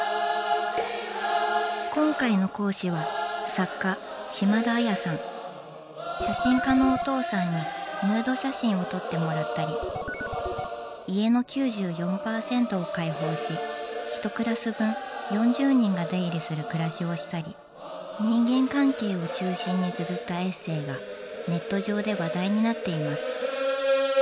今回の講師は作家写真家のお父さんにヌード写真を撮ってもらったり家の９４％を開放し１クラス分４０人が出入りする暮らしをしたり人間関係を中心につづったエッセーがネット上で話題になっています。